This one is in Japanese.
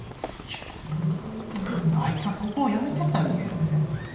あいつはここを辞めてった人間やで。